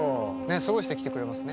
すごい人来てくれますね。